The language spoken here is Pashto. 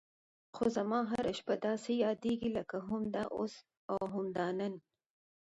خو زما هره شېبه داسې یادېږي لکه همدا اوس او همدا نن.